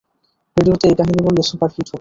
রেডিওতে এই কাহিনী বললে সুপার হিট হবে।